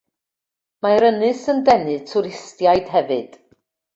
Mae'r ynys yn denu twristiaid hefyd.